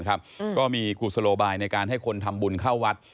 ก็มีกุศโลบายในการให้คนทำบุญเข้าวัด